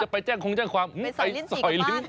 ตอนนี้คนก็อยากเข้าไปโรงพักกันเยอะเลยนะ